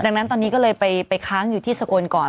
ดังนั้นตอนนี้ก็เลยไปค้างอยู่ที่สกลก่อน